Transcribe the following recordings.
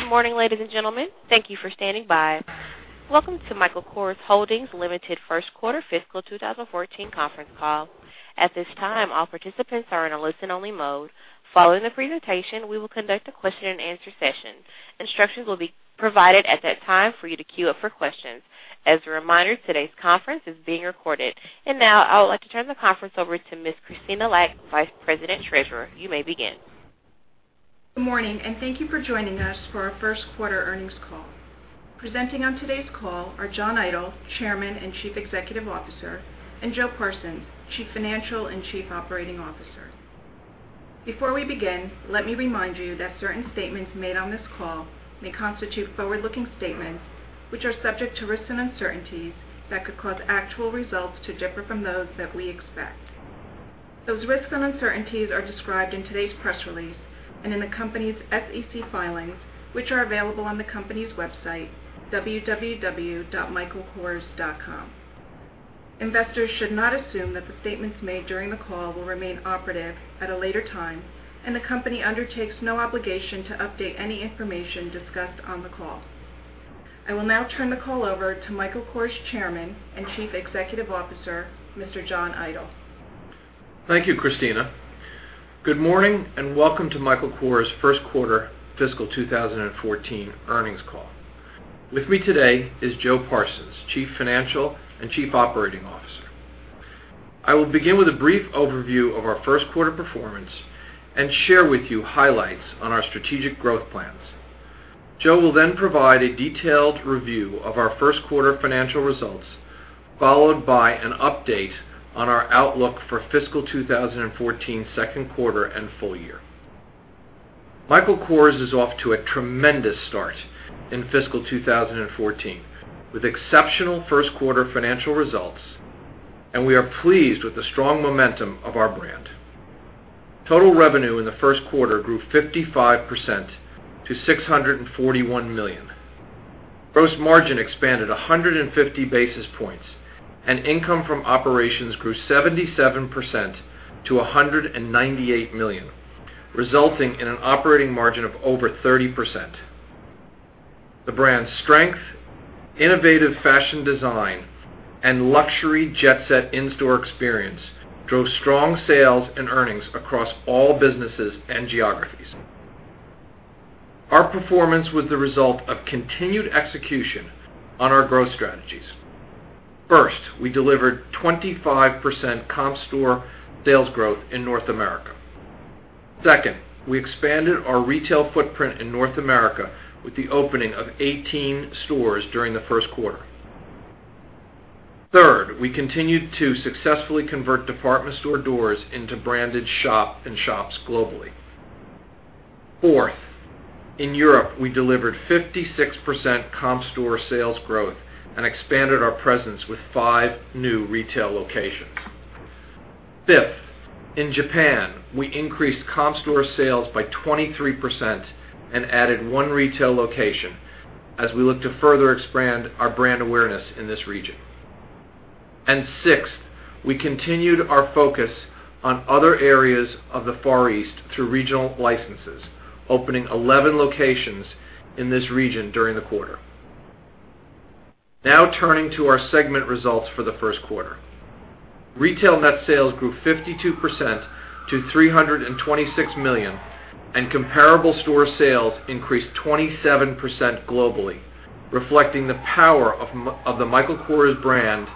Good morning, ladies and gentlemen. Thank you for standing by. Welcome to Michael Kors Holdings Limited First Quarter Fiscal 2014 Conference Call. At this time, all participants are in a listen-only mode. Following the presentation, we will conduct a question and answer session. Instructions will be provided at that time for you to queue up for questions. As a reminder, today's conference is being recorded. Now, I would like to turn the conference over to Ms. Kristina Lak, Vice President Treasurer. You may begin. Good morning, thank you for joining us for our first quarter earnings call. Presenting on today's call are John Idol, Chairman and Chief Executive Officer, and Joe Parsons, Chief Financial and Chief Operating Officer. Before we begin, let me remind you that certain statements made on this call may constitute forward-looking statements, which are subject to risks and uncertainties that could cause actual results to differ from those that we expect. Those risks and uncertainties are described in today's press release and in the company's SEC filings, which are available on the company's website, www.michaelkors.com. Investors should not assume that the statements made during the call will remain operative at a later time, and the company undertakes no obligation to update any information discussed on the call. I will now turn the call over to Michael Kors Chairman and Chief Executive Officer, Mr. John Idol. Thank you, Kristina. Good morning, welcome to Michael Kors' first quarter fiscal 2014 earnings call. With me today is Joe Parsons, Chief Financial and Chief Operating Officer. I will begin with a brief overview of our first quarter performance and share with you highlights on our strategic growth plans. Joe will then provide a detailed review of our first quarter financial results, followed by an update on our outlook for fiscal 2014's second quarter and full year. Michael Kors is off to a tremendous start in fiscal 2014, with exceptional first quarter financial results. We are pleased with the strong momentum of our brand. Total revenue in the first quarter grew 55% to $641 million. Gross margin expanded 150 basis points. Income from operations grew 77% to $198 million, resulting in an operating margin of over 30%. The brand's strength, innovative fashion design, and luxury jet set in-store experience drove strong sales and earnings across all businesses and geographies. Our performance was the result of continued execution on our growth strategies. First, we delivered 25% comp store sales growth in North America. Second, we expanded our retail footprint in North America with the opening of 18 stores during the first quarter. Third, we continued to successfully convert department store doors into branded shop-in-shops globally. Fourth, in Europe, we delivered 56% comp store sales growth and expanded our presence with 5 new retail locations. Fifth, in Japan, we increased comp store sales by 23% and added 1 retail location as we look to further expand our brand awareness in this region. Sixth, we continued our focus on other areas of the Far East through regional licenses, opening 11 locations in this region during the quarter. Now turning to our segment results for the first quarter. Retail net sales grew 52% to $326 million, and comparable store sales increased 27% globally, reflecting the power of the Michael Kors brand,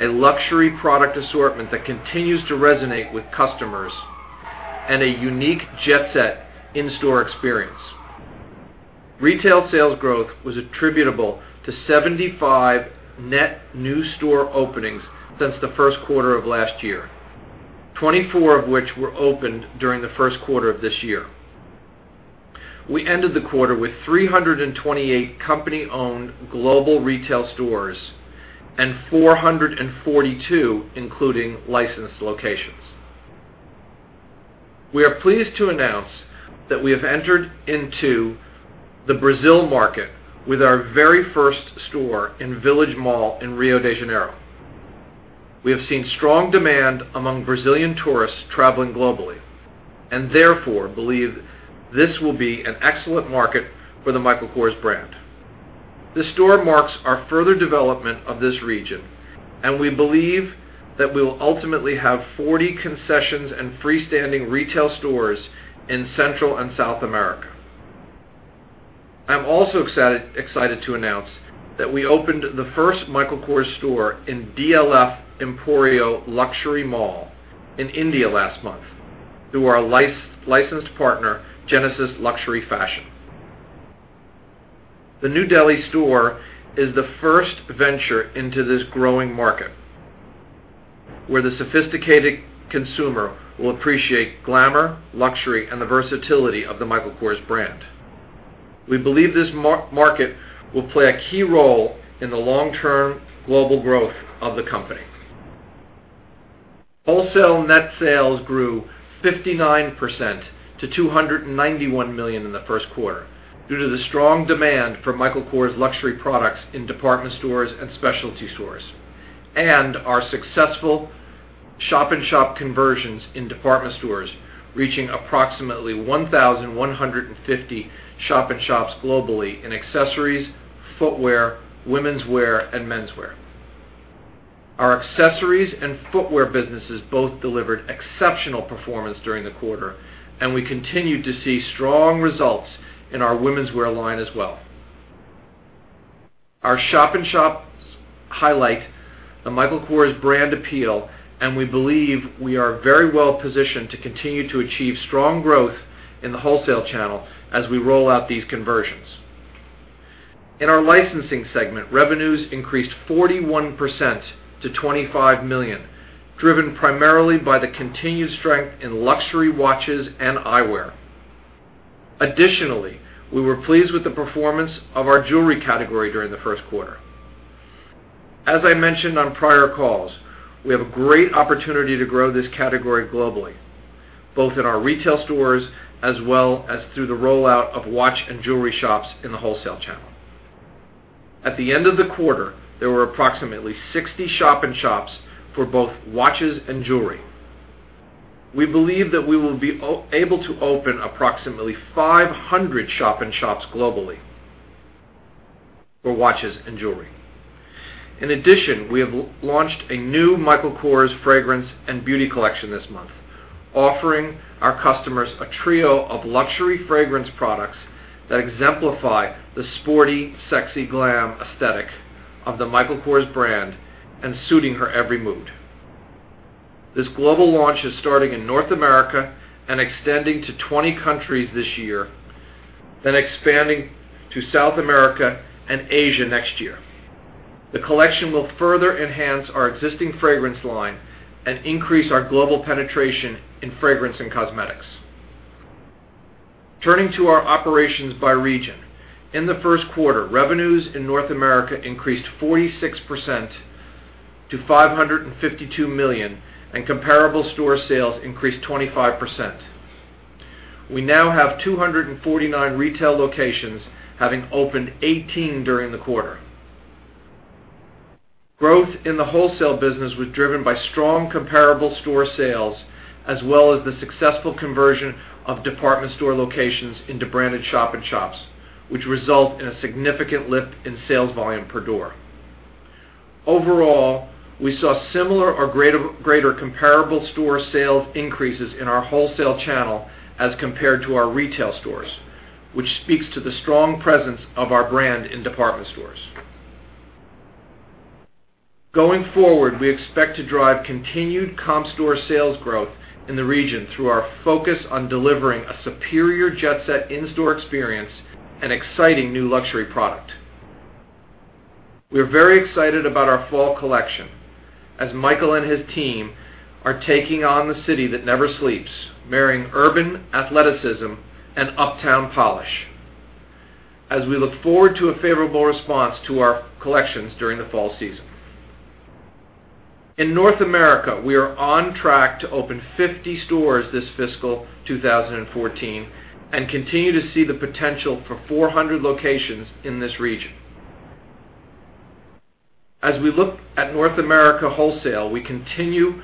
a luxury product assortment that continues to resonate with customers, and a unique jet set in-store experience. Retail sales growth was attributable to 75 net new store openings since the first quarter of last year, 24 of which were opened during the first quarter of this year. We ended the quarter with 328 company-owned global retail stores and 442 including licensed locations. We are pleased to announce that we have entered into the Brazil market with our very first store in Village Mall in Rio de Janeiro. We have seen strong demand among Brazilian tourists traveling globally and therefore believe this will be an excellent market for the Michael Kors brand. This store marks our further development of this region, and we believe that we will ultimately have 40 concessions and freestanding retail stores in Central and South America. I'm also excited to announce that we opened the first Michael Kors store in DLF Emporio Luxury Mall in India last month through our licensed partner, Genesis Luxury Fashion. The New Delhi store is the first venture into this growing market, where the sophisticated consumer will appreciate glamor, luxury, and the versatility of the Michael Kors brand. We believe this market will play a key role in the long-term global growth of the company. Wholesale net sales grew 59% to $291 million in the first quarter due to the strong demand for Michael Kors luxury products in department stores and specialty stores and our successful shop-in-shop conversions in department stores reaching approximately 1,150 shop-in-shops globally in accessories, footwear, womenswear, and menswear. Our accessories and footwear businesses both delivered exceptional performance during the quarter, and we continued to see strong results in our womenswear line as well. Our shop-in-shops highlight the Michael Kors brand appeal, and we believe we are very well positioned to continue to achieve strong growth in the wholesale channel as we roll out these conversions. In our licensing segment, revenues increased 41% to $25 million, driven primarily by the continued strength in luxury watches and eyewear. Additionally, we were pleased with the performance of our jewelry category during the first quarter. As I mentioned on prior calls, we have a great opportunity to grow this category globally, both in our retail stores as well as through the rollout of watch and jewelry shops in the wholesale channel. At the end of the quarter, there were approximately 60 shop-in-shops for both watches and jewelry. We believe that we will be able to open approximately 500 shop-in-shops globally for watches and jewelry. In addition, we have launched a new Michael Kors fragrance and beauty collection this month, offering our customers a trio of luxury fragrance products that exemplify the sporty sexy glam aesthetic of the Michael Kors brand and suiting her every mood. This global launch is starting in North America and extending to 20 countries this year, then expanding to South America and Asia next year. The collection will further enhance our existing fragrance line and increase our global penetration in fragrance and cosmetics. Turning to our operations by region. In the first quarter, revenues in North America increased 46% to $552 million, and comparable store sales increased 25%. We now have 249 retail locations, having opened 18 during the quarter. Growth in the wholesale business was driven by strong comparable store sales, as well as the successful conversion of department store locations into branded shop-in-shops, which result in a significant lift in sales volume per door. Overall, we saw similar or greater comparable store sales increases in our wholesale channel as compared to our retail stores, which speaks to the strong presence of our brand in department stores. Going forward, we expect to drive continued comp store sales growth in the region through our focus on delivering a superior jet-set in-store experience and exciting new luxury product. We are very excited about our fall collection, as Michael and his team are taking on the city that never sleeps, marrying urban athleticism and uptown polish. We look forward to a favorable response to our collections during the fall season. In North America, we are on track to open 50 stores this fiscal 2014 and continue to see the potential for 400 locations in this region. As we look at North America wholesale, we continue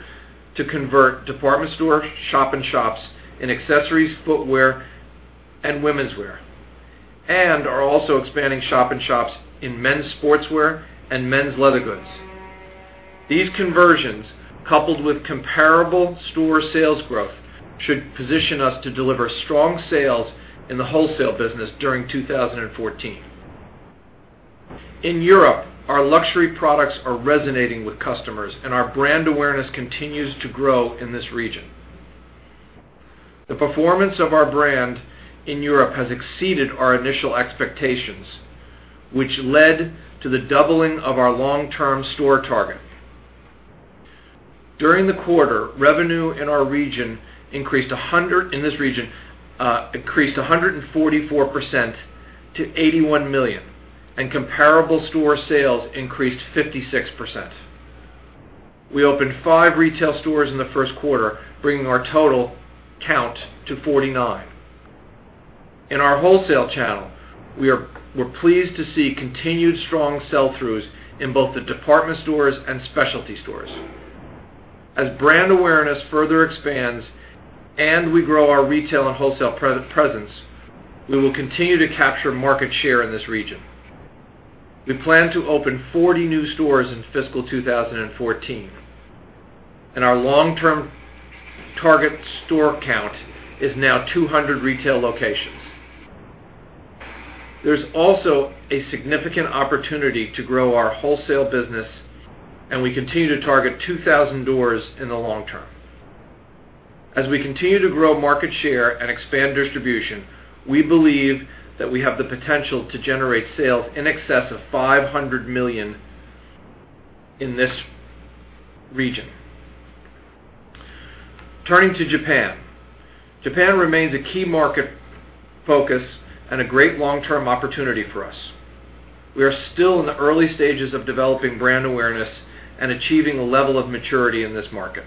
to convert department store shop-in-shops in accessories, footwear, and womenswear. We are also expanding shop-in-shops in men's sportswear and men's leather goods. These conversions, coupled with comparable store sales growth, should position us to deliver strong sales in the wholesale business during 2014. In Europe, our luxury products are resonating with customers, and our brand awareness continues to grow in this region. The performance of our brand in Europe has exceeded our initial expectations, which led to the doubling of our long-term store target. During the quarter, revenue in this region increased 144% to $81 million, and comparable store sales increased 56%. We opened five retail stores in the first quarter, bringing our total count to 49. In our wholesale channel, we are pleased to see continued strong sell-throughs in both the department stores and specialty stores. As brand awareness further expands and we grow our retail and wholesale presence, we will continue to capture market share in this region. We plan to open 40 new stores in fiscal 2014, and our long-term target store count is now 200 retail locations. There is also a significant opportunity to grow our wholesale business, and we continue to target 2,000 doors in the long term. As we continue to grow market share and expand distribution, we believe that we have the potential to generate sales in excess of $500 million in this region. Turning to Japan. Japan remains a key market focus and a great long-term opportunity for us. We are still in the early stages of developing brand awareness and achieving a level of maturity in this market.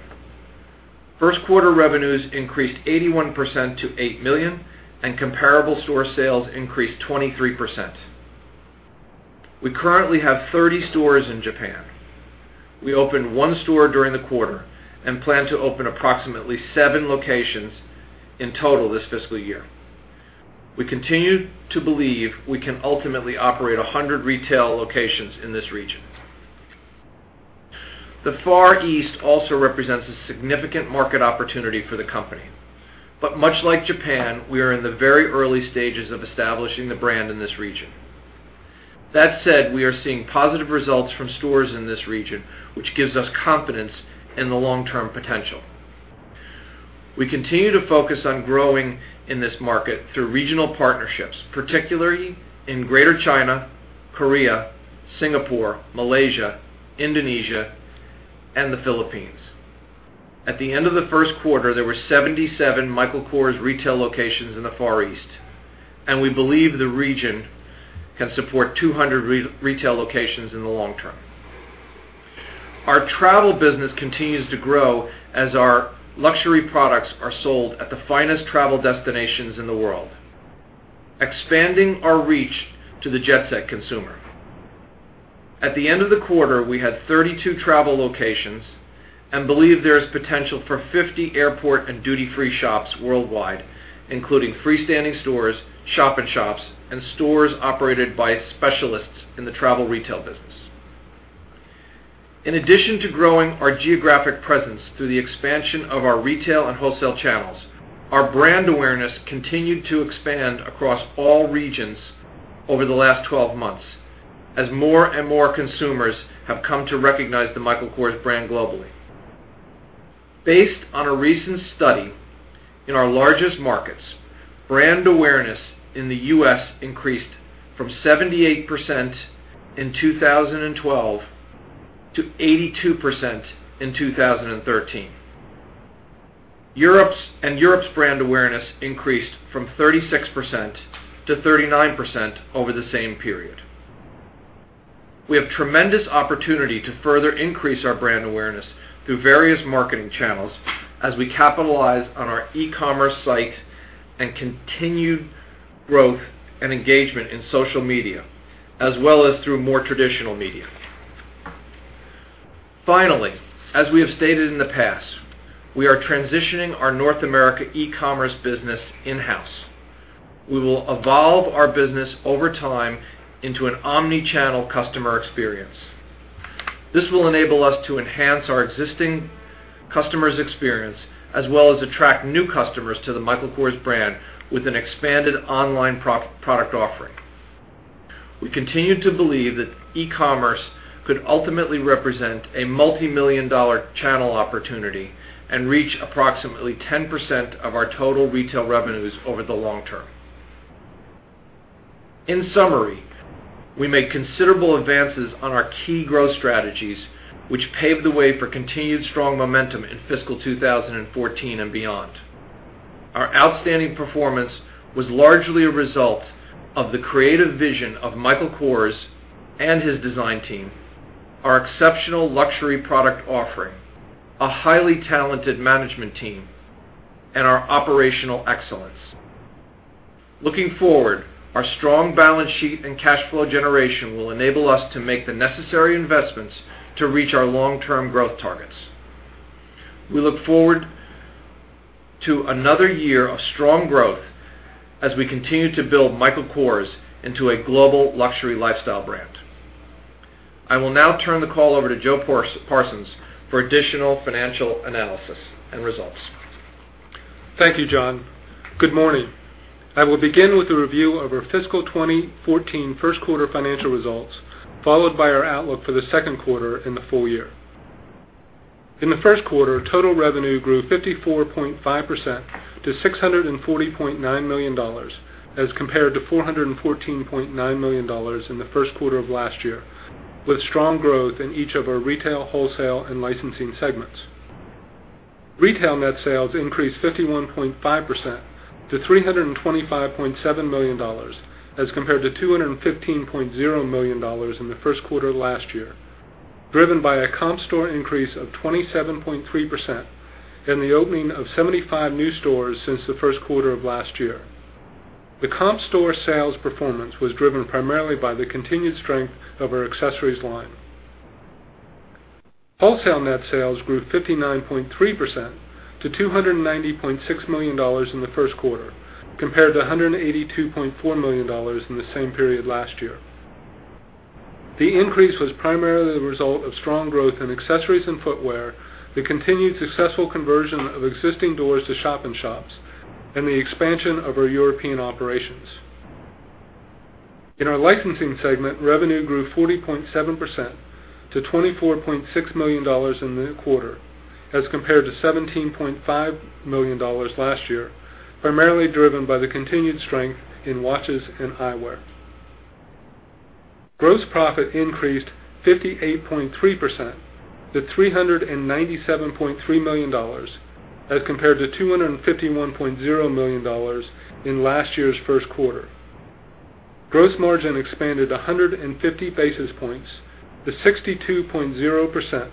First quarter revenues increased 81% to $8 million, and comparable store sales increased 23%. We currently have 30 stores in Japan. We opened one store during the quarter and plan to open approximately seven locations in total this fiscal year. We continue to believe we can ultimately operate 100 retail locations in this region. The Far East also represents a significant market opportunity for the company. Much like Japan, we are in the very early stages of establishing the brand in this region. That said, we are seeing positive results from stores in this region, which gives us confidence in the long-term potential. We continue to focus on growing in this market through regional partnerships, particularly in Greater China, Korea, Singapore, Malaysia, Indonesia, and the Philippines. At the end of the first quarter, there were 77 Michael Kors retail locations in the Far East, we believe the region can support 200 retail locations in the long term. Our travel business continues to grow as our luxury products are sold at the finest travel destinations in the world, expanding our reach to the jet-set consumer. At the end of the quarter, we had 32 travel locations and believe there is potential for 50 airport and duty-free shops worldwide, including freestanding stores, shop-in-shops, and stores operated by specialists in the travel retail business. In addition to growing our geographic presence through the expansion of our retail and wholesale channels, our brand awareness continued to expand across all regions over the last 12 months as more and more consumers have come to recognize the Michael Kors brand globally. Based on a recent study in our largest markets, brand awareness in the U.S. increased from 78% in 2012 to 82% in 2013. Europe's brand awareness increased from 36% to 39% over the same period. We have tremendous opportunity to further increase our brand awareness through various marketing channels as we capitalize on our e-commerce site and continued growth and engagement in social media, as well as through more traditional media. Finally, as we have stated in the past, we are transitioning our North America e-commerce business in-house. We will evolve our business over time into an omni-channel customer experience. This will enable us to enhance our existing customers' experience, as well as attract new customers to the Michael Kors brand with an expanded online product offering. We continue to believe that e-commerce could ultimately represent a multimillion-dollar channel opportunity and reach approximately 10% of our total retail revenues over the long term. In summary, we made considerable advances on our key growth strategies, which paved the way for continued strong momentum in fiscal 2014 and beyond. Our outstanding performance was largely a result of the creative vision of Michael Kors and his design team, our exceptional luxury product offering, a highly talented management team, and our operational excellence. Looking forward, our strong balance sheet and cash flow generation will enable us to make the necessary investments to reach our long-term growth targets. We look forward to another year of strong growth as we continue to build Michael Kors into a global luxury lifestyle brand. I will now turn the call over to Joe Parsons for additional financial analysis and results. Thank you, John. Good morning. I will begin with a review of our fiscal 2014 first quarter financial results, followed by our outlook for the second quarter and the full year. In the first quarter, total revenue grew 54.5% to $640.9 million as compared to $414.9 million in the first quarter of last year, with strong growth in each of our retail, wholesale, and licensing segments. Retail net sales increased 51.5% to $325.7 million as compared to $215.0 million in the first quarter of last year, driven by a comp store increase of 27.3% and the opening of 75 new stores since the first quarter of last year. The comp store sales performance was driven primarily by the continued strength of our accessories line. Wholesale net sales grew 59.3% to $290.6 million in the first quarter, compared to $182.4 million in the same period last year. The increase was primarily the result of strong growth in accessories and footwear, the continued successful conversion of existing doors to shop-in-shops, and the expansion of our European operations. In our licensing segment, revenue grew 40.7% to $24.6 million in the quarter as compared to $17.5 million last year, primarily driven by the continued strength in watches and eyewear. Gross profit increased 58.3% to $397.3 million as compared to $251.0 million in last year's first quarter. Gross margin expanded 150 basis points to 62.0%,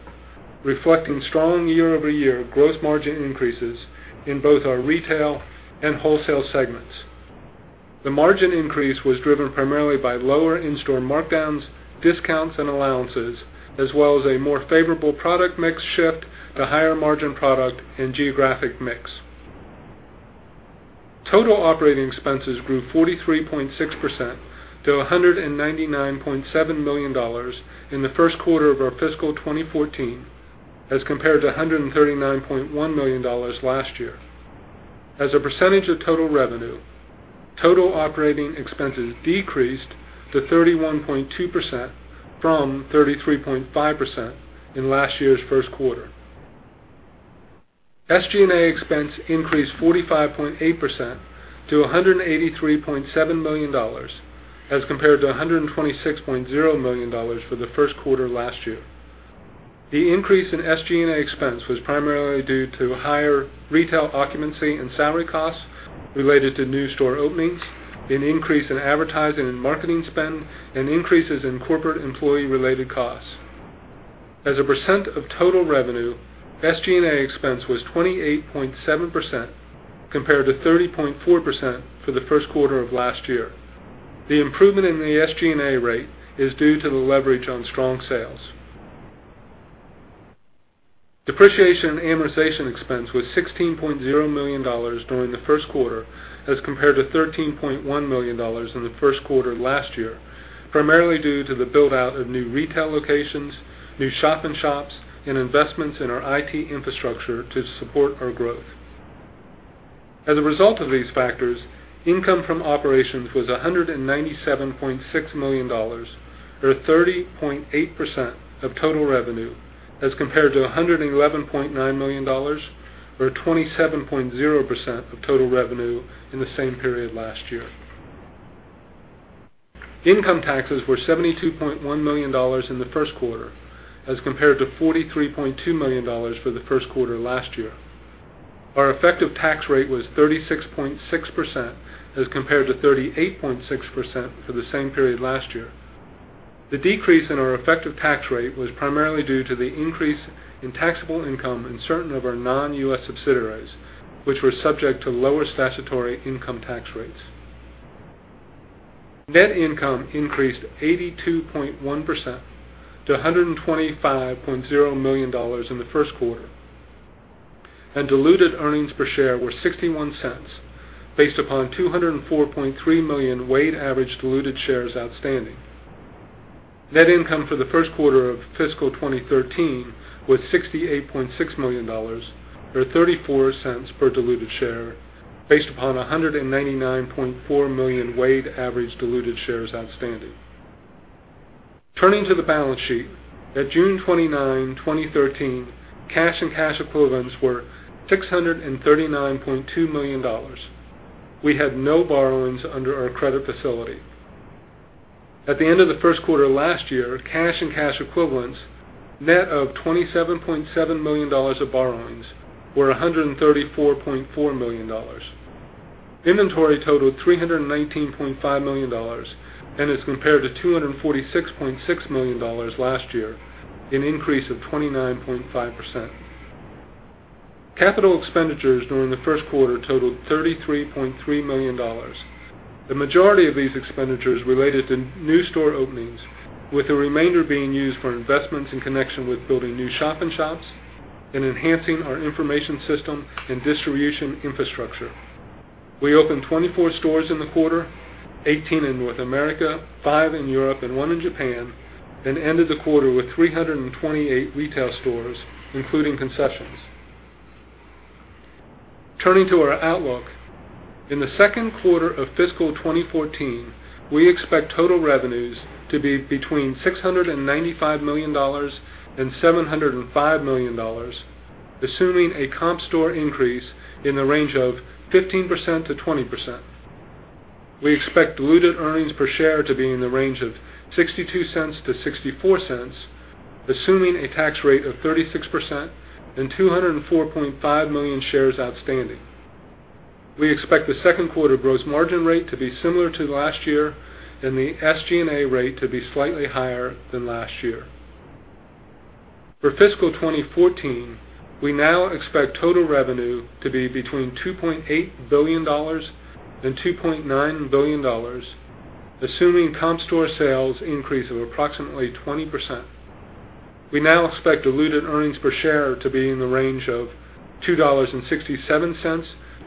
reflecting strong year-over-year gross margin increases in both our retail and wholesale segments. The margin increase was driven primarily by lower in-store markdowns, discounts, and allowances, as well as a more favorable product mix shift to higher margin product and geographic mix. Total operating expenses grew 43.6% to $199.7 million in the first quarter of our fiscal 2014 as compared to $139.1 million last year. As a percentage of total revenue, total operating expenses decreased to 31.2% from 33.5% in last year's first quarter. SG&A expense increased 45.8% to $183.7 million as compared to $126.0 million for the first quarter last year. The increase in SG&A expense was primarily due to higher retail occupancy and salary costs related to new store openings, an increase in advertising and marketing spend, and increases in corporate employee-related costs. As a % of total revenue, SG&A expense was 28.7% compared to 30.4% for the first quarter of last year. The improvement in the SG&A rate is due to the leverage on strong sales. Depreciation and amortization expense was $16.0 million during the first quarter as compared to $13.1 million in the first quarter last year, primarily due to the build-out of new retail locations, new shop-in-shops, and investments in our IT infrastructure to support our growth. As a result of these factors, income from operations was $197.6 million or 30.8% of total revenue as compared to $111.9 million or 27.0% of total revenue in the same period last year. Income taxes were $72.1 million in the first quarter as compared to $43.2 million for the first quarter last year. Our effective tax rate was 36.6% as compared to 38.6% for the same period last year. The decrease in our effective tax rate was primarily due to the increase in taxable income in certain of our non-U.S. subsidiaries, which were subject to lower statutory income tax rates. Net income increased 82.1% to $125.0 million in the first quarter, and diluted earnings per share were $0.61, based upon 204.3 million weighted average diluted shares outstanding. Net income for the first quarter of fiscal 2013 was $68.6 million, or $0.34 per diluted share, based upon 199.4 million weighted average diluted shares outstanding. Turning to the balance sheet, at June 29, 2013, cash and cash equivalents were $639.2 million. We had no borrowings under our credit facility. At the end of the first quarter last year, cash and cash equivalents, net of $27.7 million of borrowings, were $134.4 million. Inventory totaled $319.5 million and is compared to $246.6 million last year, an increase of 29.5%. Capital expenditures during the first quarter totaled $33.3 million. The majority of these expenditures related to new store openings, with the remainder being used for investments in connection with building new shop-in-shops and enhancing our information system and distribution infrastructure. We opened 24 stores in the quarter, 18 in North America, five in Europe, and one in Japan, and ended the quarter with 328 retail stores, including concessions. Turning to our outlook, in the second quarter of fiscal 2014, we expect total revenues to be between $695 million and $705 million, assuming a comp store increase in the range of 15%-20%. We expect diluted earnings per share to be in the range of $0.62-$0.64, assuming a tax rate of 36% and 204.5 million shares outstanding. We expect the second quarter gross margin rate to be similar to last year and the SG&A rate to be slightly higher than last year. For fiscal 2014, we now expect total revenue to be between $2.8 billion and $2.9 billion, assuming comp store sales increase of approximately 20%. We now expect diluted earnings per share to be in the range of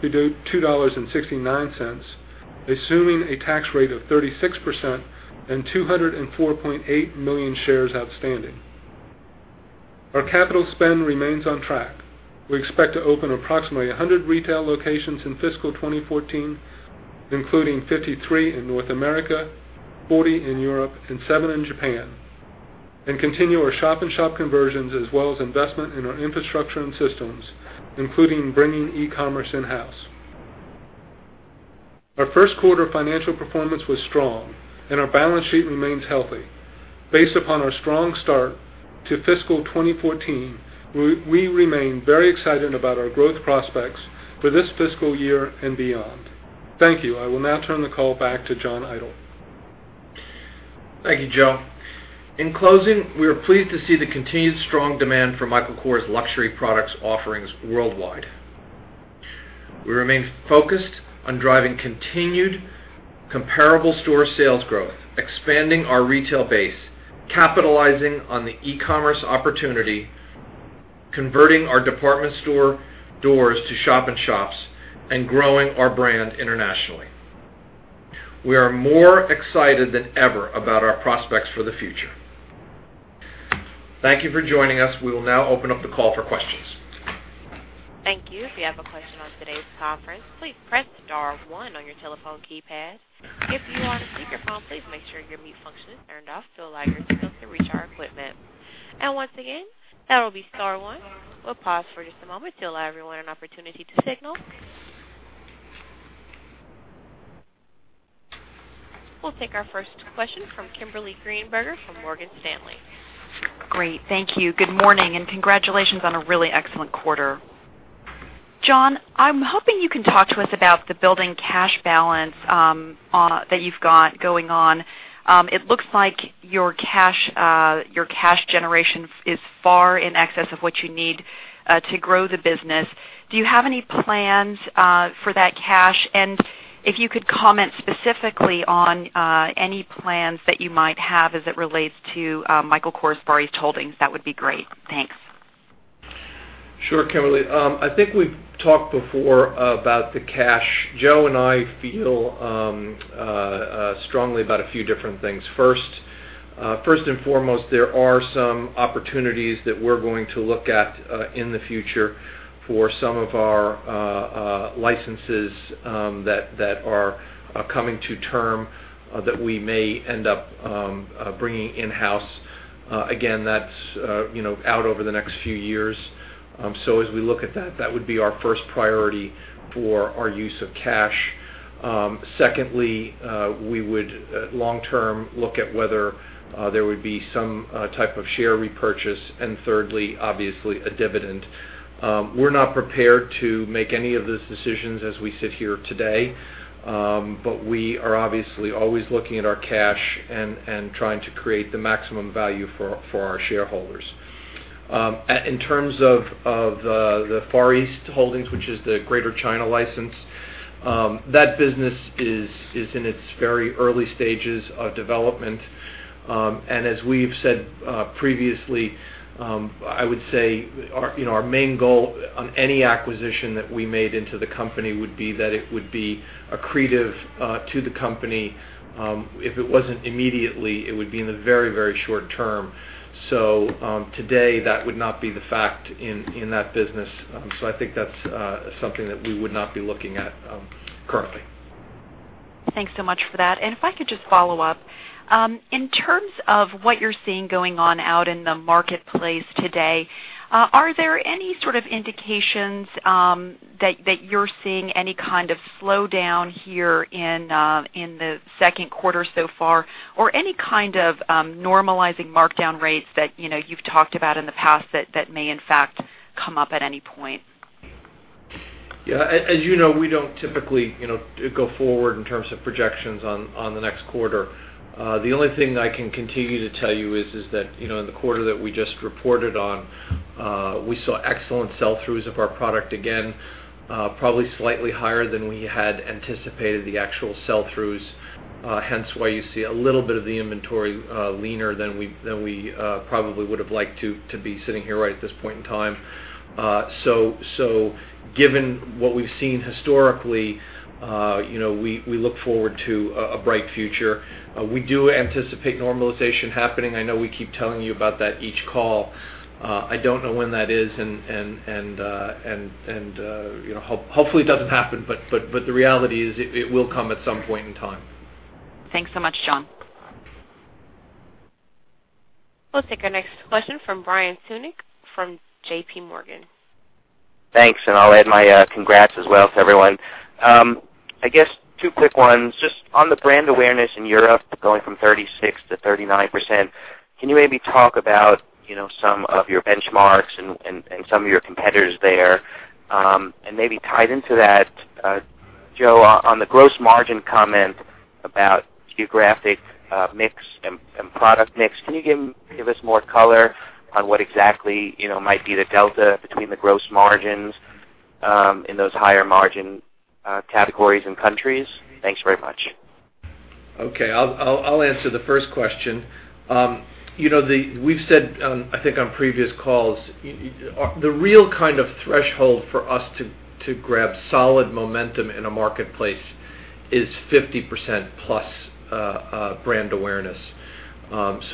$2.67-$2.69, assuming a tax rate of 36% and 204.8 million shares outstanding. Our capital spend remains on track. We expect to open approximately 100 retail locations in fiscal 2014, including 53 in North America, 40 in Europe, and seven in Japan, and continue our shop-in-shop conversions as well as investment in our infrastructure and systems, including bringing e-commerce in-house. Our first quarter financial performance was strong and our balance sheet remains healthy. Based upon our strong start to fiscal 2014, we remain very excited about our growth prospects for this fiscal year and beyond. Thank you. I will now turn the call back to John Idol. Thank you, Joe. In closing, we are pleased to see the continued strong demand for Michael Kors luxury products offerings worldwide. We remain focused on driving continued comparable store sales growth, expanding our retail base, capitalizing on the e-commerce opportunity, converting our department store doors to shop-in-shops, and growing our brand internationally. We are more excited than ever about our prospects for the future. Thank you for joining us. We will now open up the call for questions. Thank you. If you have a question on today's conference, please press star one on your telephone keypad. If you are on a speakerphone, please make sure your mute function is turned off to allow your signal to reach our equipment. Once again, that will be star one. We'll pause for just a moment to allow everyone an opportunity to signal. We'll take our first question from Kimberly Greenberger from Morgan Stanley. Great. Thank you. Good morning, and congratulations on a really excellent quarter. John, I'm hoping you can talk to us about the building cash balance that you've got going on. It looks like your cash generation is far in excess of what you need to grow the business. Do you have any plans for that cash? If you could comment specifically on any plans that you might have as it relates to Michael Kors Far East Holdings, that would be great. Thanks. Sure, Kimberly. I think we've talked before about the cash. Joe and I feel strongly about a few different things. First and foremost, there are some opportunities that we're going to look at in the future for some of our licenses that are coming to term that we may end up bringing in-house. Again, that's out over the next few years. As we look at that would be our first priority for our use of cash. Secondly, we would long term look at whether there would be some type of share repurchase, and thirdly, obviously, a dividend. We're not prepared to make any of those decisions as we sit here today. We are obviously always looking at our cash and trying to create the maximum value for our shareholders. In terms of the Far East holdings, which is the Greater China license, that business is in its very early stages of development. As we've said previously, I would say our main goal on any acquisition that we made into the company would be that it would be accretive to the company. If it wasn't immediately, it would be in the very short term. Today, that would not be the fact in that business. I think that's something that we would not be looking at currently. Thanks so much for that. If I could just follow up. In terms of what you're seeing going on out in the marketplace today, are there any sort of indications that you're seeing any kind of slowdown here in the second quarter so far, or any kind of normalizing markdown rates that you've talked about in the past that may in fact come up at any point? Yeah. As you know, we don't typically go forward in terms of projections on the next quarter. The only thing I can continue to tell you is that in the quarter that we just reported on, we saw excellent sell-throughs of our product again, probably slightly higher than we had anticipated the actual sell-throughs. Hence why you see a little bit of the inventory leaner than we probably would have liked to be sitting here right at this point in time. Given what we've seen historically, we look forward to a bright future. We do anticipate normalization happening. I know we keep telling you about that each call. I don't know when that is, and hopefully it doesn't happen, but the reality is it will come at some point in time. Thanks so much, John. We'll take our next question from Brian Tunick from JPMorgan. Thanks, I'll add my congrats as well to everyone. I guess two quick ones. Just on the brand awareness in Europe going from 36% to 39%, can you maybe talk about some of your benchmarks and some of your competitors there? Maybe tied into that, Joe, on the gross margin comment about geographic mix and product mix, can you give us more color on what exactly might be the delta between the gross margins in those higher margin categories and countries? Thanks very much. Okay. I'll answer the first question. We've said, I think on previous calls, the real kind of threshold for us to grab solid momentum in a marketplace is 50% plus brand awareness.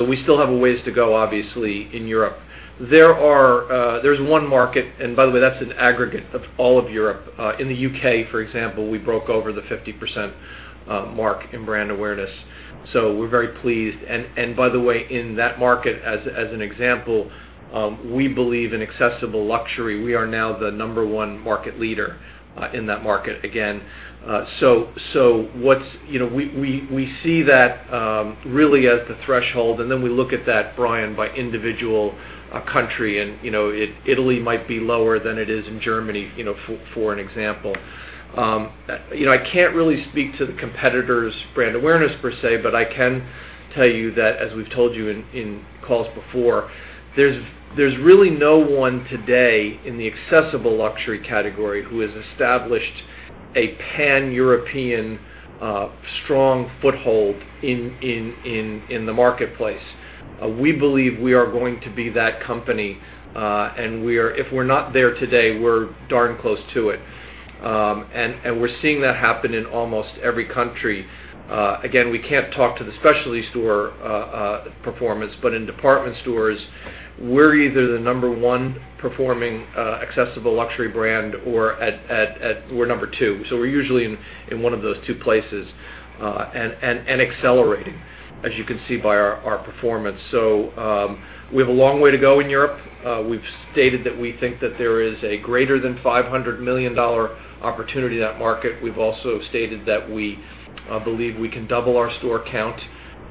We still have a ways to go, obviously, in Europe. There's one market, and by the way, that's an aggregate of all of Europe. In the U.K., for example, we broke over the 50% mark in brand awareness. We're very pleased. By the way, in that market, as an example, we believe in accessible luxury. We are now the number 1 market leader in that market again. We see that really as the threshold. Then we look at that, Brian, by individual country. Italy might be lower than it is in Germany for an example. I can't really speak to the competitor's brand awareness per se. I can tell you that, as we've told you in calls before, there's really no one today in the accessible luxury category who has established a pan-European strong foothold in the marketplace. We believe we are going to be that company. If we're not there today, we're darn close to it. We're seeing that happen in almost every country. Again, we can't talk to the specialty store performance. In department stores, we're either the number 1 performing accessible luxury brand or we're number 2. We're usually in one of those 2 places, and accelerating, as you can see by our performance. We have a long way to go in Europe. We've stated that we think that there is a greater than $500 million opportunity in that market. We've also stated that we believe we can double our store count.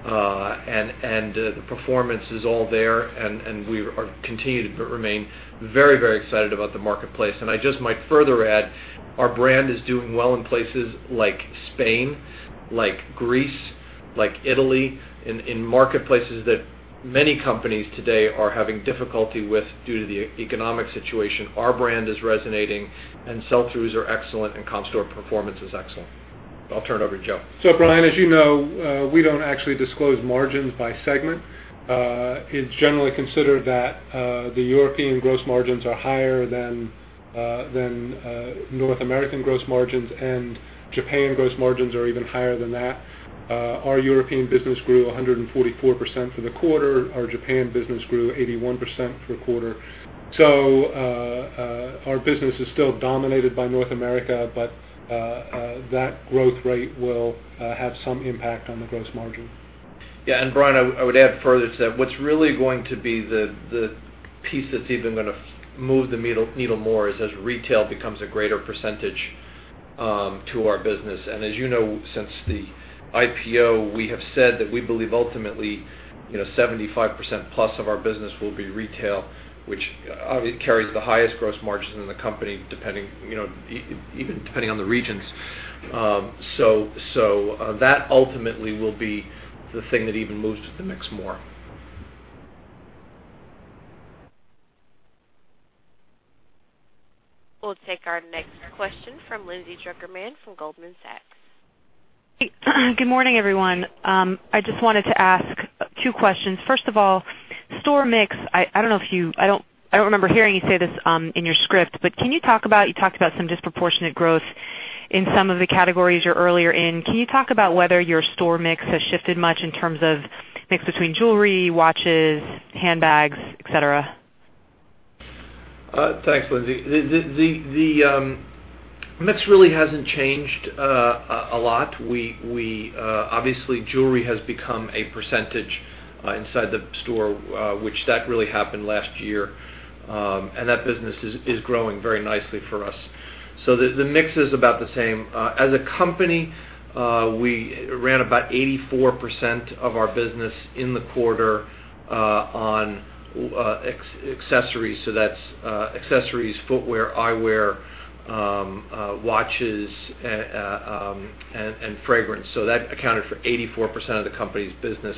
The performance is all there. We continue to remain very excited about the marketplace. I just might further add, our brand is doing well in places like Spain, like Greece, like Italy, in marketplaces that many companies today are having difficulty with due to the economic situation. Our brand is resonating. Sell-throughs are excellent. Comp store performance is excellent. I'll turn it over to Joe. Brian, as you know, we don't actually disclose margins by segment. It's generally considered that the European gross margins are higher than North American gross margins. Japan gross margins are even higher than that. Our European business grew 144% for the quarter. Our Japan business grew 81% for the quarter. Our business is still dominated by North America. That growth rate will have some impact on the gross margin. Yeah. Brian, I would add further to that. What's really going to be the piece that's even going to move the needle more is as retail becomes a greater percentage to our business. As you know, since the IPO, we have said that we believe ultimately, 75% plus of our business will be retail, which carries the highest gross margins in the company, even depending on the regions. That ultimately will be the thing that even moves the mix more. We'll take our next question from Lindsay Drucker Mann from Goldman Sachs. Good morning, everyone. I just wanted to ask two questions. First of all, store mix. I don't remember hearing you say this in your script, but you talked about some disproportionate growth in some of the categories you're earlier in. Can you talk about whether your store mix has shifted much in terms of mix between jewelry, watches, handbags, et cetera? Thanks, Lindsay. The mix really hasn't changed a lot. Obviously, jewelry has become a percentage inside the store, which that really happened last year. That business is growing very nicely for us. The mix is about the same. As a company, we ran about 84% of our business in the quarter on accessories. That's accessories, footwear, eyewear, watches, and fragrance. That accounted for 84% of the company's business.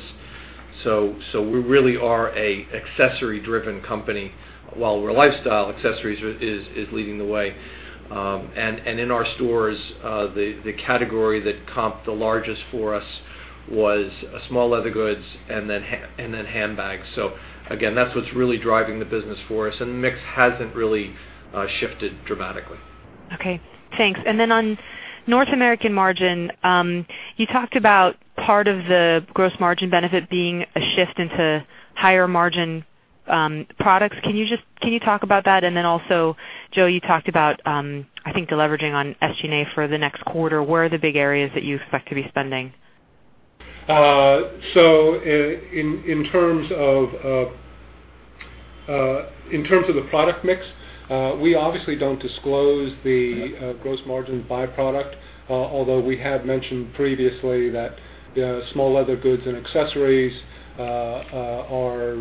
We really are an accessory driven company. While we're lifestyle accessories is leading the way. In our stores, the category that comped the largest for us was small leather goods and then handbags. Again, that's what's really driving the business for us, and the mix hasn't really shifted dramatically. Okay, thanks. On North American margin, you talked about part of the gross margin benefit being a shift into higher margin products. Can you talk about that? Also, Joe, you talked about, I think the leveraging on SG&A for the next quarter. Where are the big areas that you expect to be spending? In terms of the product mix, we obviously don't disclose the gross margin by product, although we have mentioned previously that small leather goods and accessories are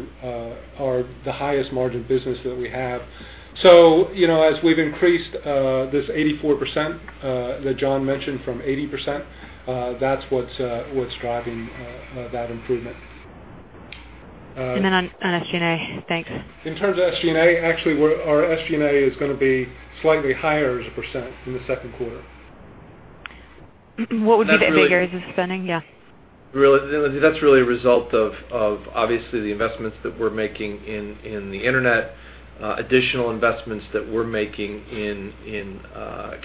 the highest margin business that we have. As we've increased this 84% that John mentioned from 80%, that's what's driving that improvement. On SG&A. Thanks. In terms of SG&A, actually our SG&A is going to be slightly higher as a % in the second quarter. What would be the big areas of spending? Yeah. Lindsay, that's really a result of obviously the investments that we're making in the internet, additional investments that we're making in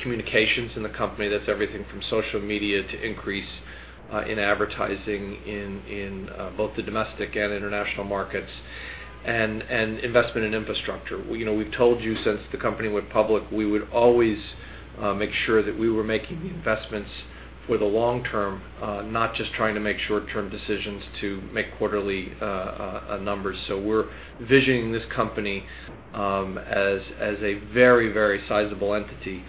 communications in the company. That's everything from social media to increase in advertising in both the domestic and international markets and investment in infrastructure. We've told you since the company went public, we would always make sure that we were making the investments for the long term, not just trying to make short-term decisions to make quarterly numbers. We're visioning this company as a very sizable entity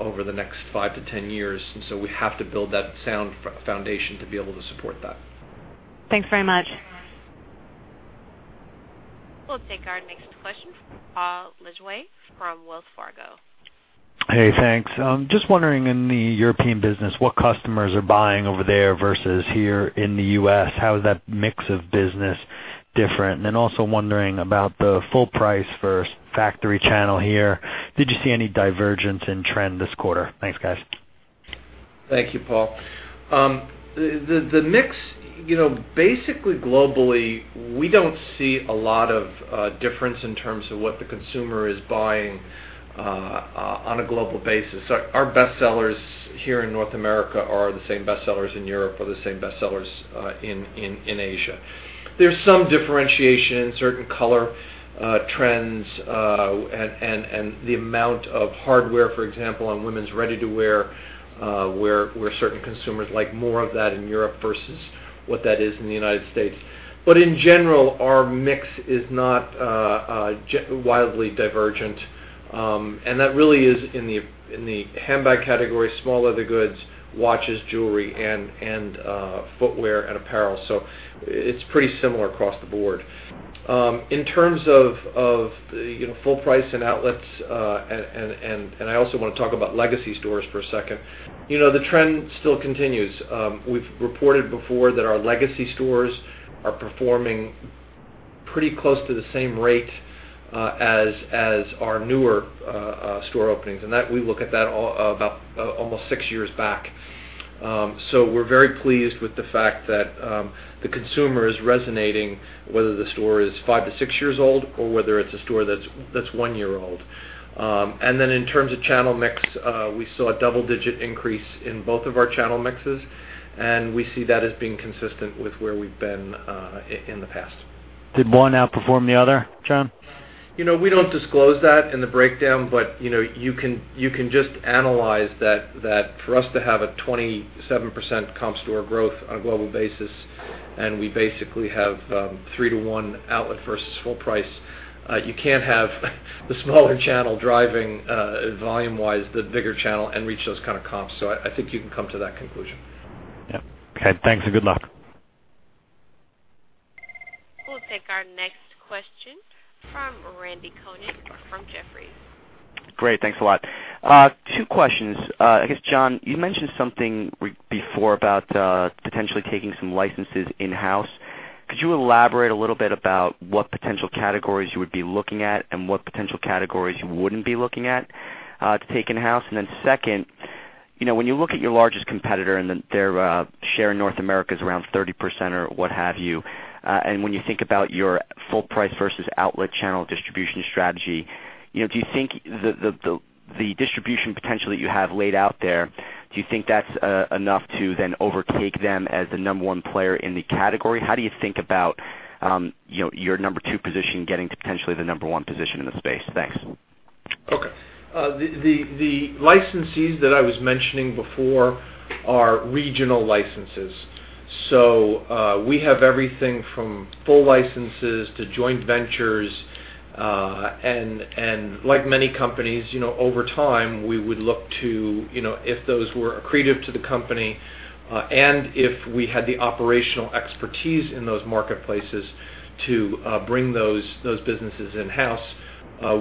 over the next 5-10 years, and we have to build that sound foundation to be able to support that. Thanks very much. We'll take our next question from Paul Lejuez from Wells Fargo. Hey, thanks. Just wondering in the European business, what customers are buying over there versus here in the U.S. How is that mix of business different? Also wondering about the full price versus factory channel here. Did you see any divergence in trend this quarter? Thanks, guys. Thank you, Paul. The mix, basically globally, we don't see a lot of difference in terms of what the consumer is buying on a global basis. Our best sellers here in North America are the same best sellers in Europe, are the same best sellers in Asia. There's some differentiation in certain color trends, and the amount of hardware, for example, on women's ready-to-wear where certain consumers like more of that in Europe versus what that is in the U.S. In general, our mix is not wildly divergent. That really is in the handbag category, small leather goods, watches, jewelry, and footwear and apparel. It's pretty similar across the board. In terms of full price and outlets, and I also want to talk about legacy stores for a second. The trend still continues. We've reported before that our legacy stores are performing pretty close to the same rate as our newer store openings, and we look at that about almost six years back. We're very pleased with the fact that the consumer is resonating, whether the store is five to six years old or whether it's a store that's one year old. In terms of channel mix, we saw a double-digit increase in both of our channel mixes, and we see that as being consistent with where we've been in the past. Did one outperform the other, John? We don't disclose that in the breakdown, but you can just analyze that for us to have a 27% comp store growth on a global basis, and we basically have three to one outlet versus full price. You can't have the smaller channel driving volume wise, the bigger channel and reach those kind of comps. I think you can come to that conclusion. Yep. Okay. Thanks and good luck. We'll take our next question from Randal Konik from Jefferies. Great. Thanks a lot. Two questions. I guess, John, you mentioned something before about potentially taking some licenses in-house. Could you elaborate a little bit about what potential categories you would be looking at and what potential categories you wouldn't be looking at to take in-house? Second, when you look at your largest competitor and their share in North America is around 30% or what have you, and when you think about your full price versus outlet channel distribution strategy, do you think the distribution potential that you have laid out there, do you think that's enough to then overtake them as the number 1 player in the category? How do you think about your number 2 position getting to potentially the number 1 position in the space? Thanks. Okay. The licensees that I was mentioning before are regional licenses. We have everything from full licenses to joint ventures. Like many companies, over time, we would look to if those were accretive to the company, and if we had the operational expertise in those marketplaces to bring those businesses in-house,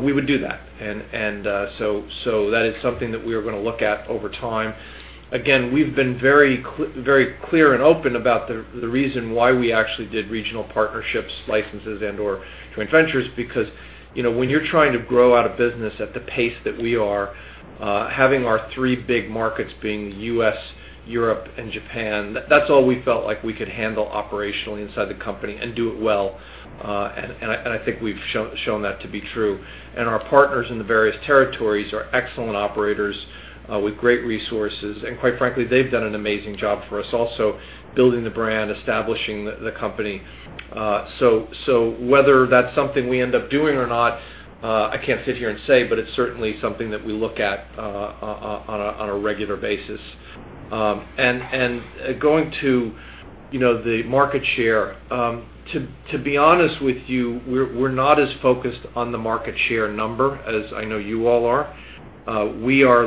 we would do that. That is something that we are going to look at over time. Again, we've been very clear and open about the reason why we actually did regional partnerships, licenses, and/or joint ventures because when you're trying to grow out a business at the pace that we are, having our three big markets being U.S., Europe, and Japan, that's all we felt like we could handle operationally inside the company and do it well. I think we've shown that to be true. Our partners in the various territories are excellent operators with great resources. Quite frankly, they've done an amazing job for us also building the brand, establishing the company. Whether that's something we end up doing or not, I can't sit here and say, but it's certainly something that we look at on a regular basis. Going to the market share. To be honest with you, we're not as focused on the market share number as I know you all are. We're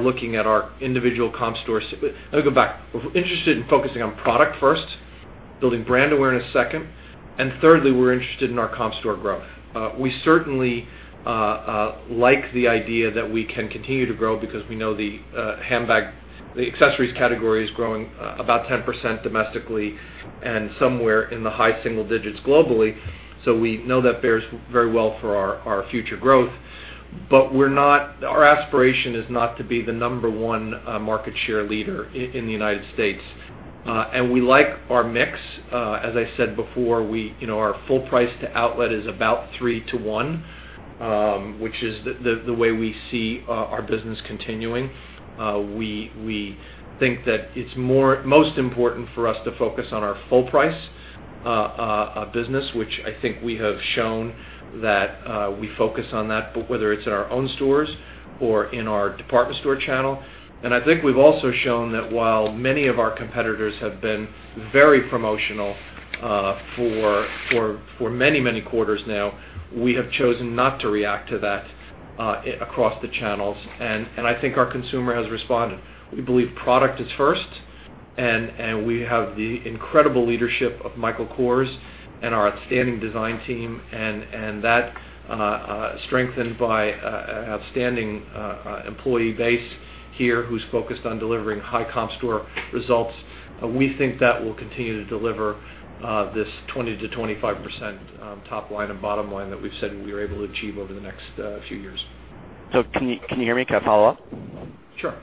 interested in focusing on product first, building brand awareness second, and thirdly, we're interested in our comp store growth. We certainly like the idea that we can continue to grow because we know the handbag, the accessories category is growing about 10% domestically and somewhere in the high single digits globally. We know that bears very well for our future growth. Our aspiration is not to be the number one market share leader in the U.S. We like our mix. As I said before, our full price to outlet is about three to one, which is the way we see our business continuing. We think that it's most important for us to focus on our full price business, which I think we have shown that we focus on that, but whether it's in our own stores or in our department store channel. I think we've also shown that while many of our competitors have been very promotional for many quarters now, we have chosen not to react to that across the channels, and I think our consumer has responded. We believe product is first. We have the incredible leadership of Michael Kors and our outstanding design team. That strengthened by outstanding employee base here who's focused on delivering high comp store results. We think that will continue to deliver this 20%-25% top line and bottom line that we've said we are able to achieve over the next few years. Can you hear me? Can I follow up? Sure.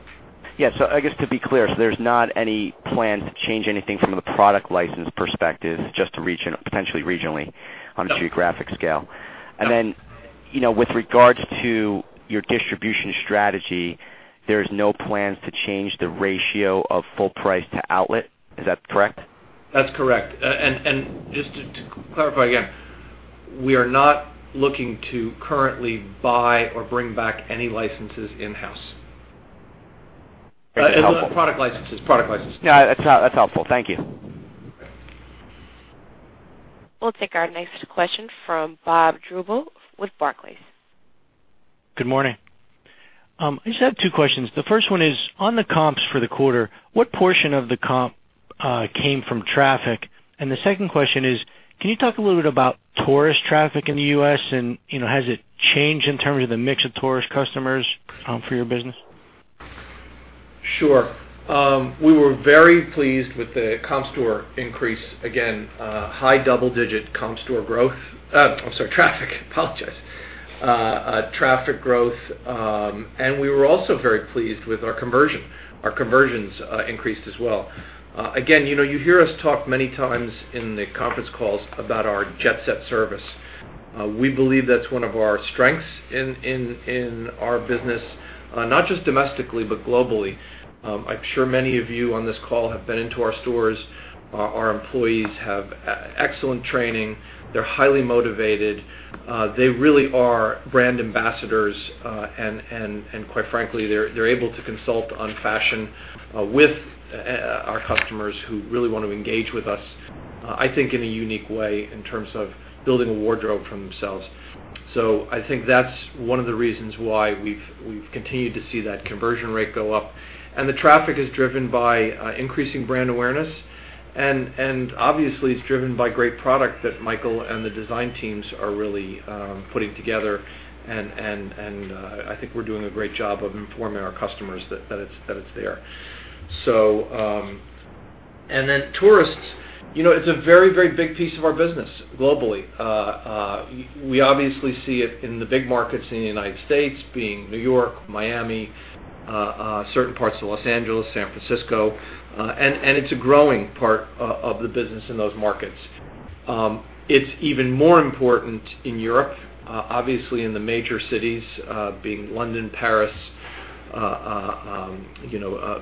Yeah. I guess, to be clear, there's not any plan to change anything from the product license perspective, just to potentially regionally on a geographic scale. No. With regards to your distribution strategy, there's no plans to change the ratio of full price to outlet. Is that correct? That's correct. Just to clarify again, we are not looking to currently buy or bring back any licenses in-house. Very helpful. Product licenses. No, that's helpful. Thank you. We'll take our next question from Bob Drbul with Barclays. Good morning. I just have two questions. The first one is on the comps for the quarter, what portion of the comp came from traffic? The second question is, can you talk a little bit about tourist traffic in the U.S. and has it changed in terms of the mix of tourist customers for your business? Sure. We were very pleased with the comp store increase. Again, high double-digit comp store growth. I'm sorry, traffic. Apologize. Traffic growth. We were also very pleased with our conversion. Our conversions increased as well. Again, you hear us talk many times in the conference calls about our jet set service. We believe that's one of our strengths in our business, not just domestically but globally. I'm sure many of you on this call have been into our stores. Our employees have excellent training. They're highly motivated. They really are brand ambassadors. Quite frankly, they're able to consult on fashion with our customers who really want to engage with us, I think in a unique way, in terms of building a wardrobe for themselves. I think that's one of the reasons why we've continued to see that conversion rate go up. The traffic is driven by increasing brand awareness, and obviously, it's driven by great product that Michael and the design teams are really putting together. I think we're doing a great job of informing our customers that it's there. Tourists, it's a very big piece of our business globally. We obviously see it in the big markets in the United States being New York, Miami, certain parts of Los Angeles, San Francisco, and it's a growing part of the business in those markets. It's even more important in Europe, obviously in the major cities being London, Paris,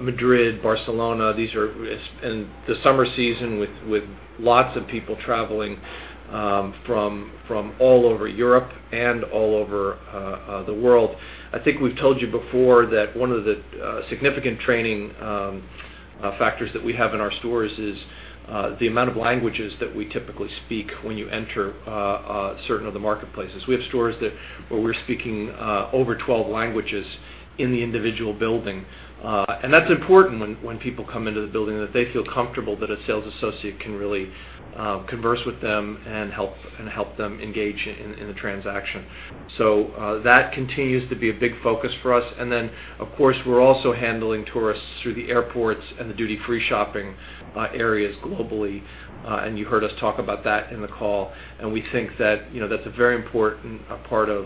Madrid, Barcelona. In the summer season, with lots of people traveling from all over Europe and all over the world. I think we've told you before that one of the significant training factors that we have in our stores is the amount of languages that we typically speak when you enter certain of the marketplaces. We have stores where we're speaking over 12 languages in the individual building. That's important when people come into the building, that they feel comfortable that a sales associate can really converse with them and help them engage in the transaction. That continues to be a big focus for us. Of course, we're also handling tourists through the airports and the duty-free shopping areas globally. You heard us talk about that in the call, and we think that's a very important part of